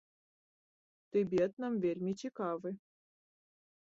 Тыбет нам вельмі цікавы.